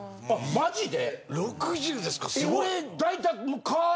マジで。